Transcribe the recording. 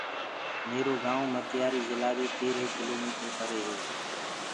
ميرو گائونٚ مٽياري جِلا دي تيرهي ڪِلو ميٽر پري هي۔